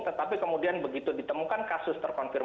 tetapi kemudian begitu ditemukan kasus terkonfirmasi